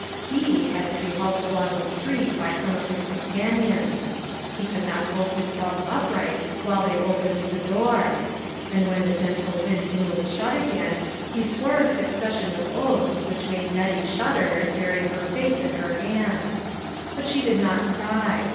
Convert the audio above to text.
He had to be helped along the street by some of his companions ; he could not hold himself upright while they opened the door. And when the gentle wind blew it shut again, he swore a succession of oaths which made Nettie shudder and bury her face in her PLEASURE AND DISAPPOINTMENT. 189 hands. But she did not cry.